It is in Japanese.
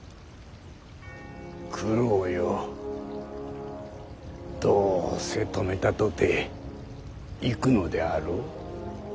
九郎よどうせ止めたとて行くのであろう。